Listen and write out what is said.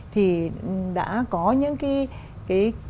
thì đã có những cái cực kỳ năng lực